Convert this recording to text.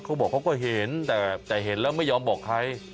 เขาบอกเขาก็เห็นแต่เห็นแล้วไม่ยอมบอกใคร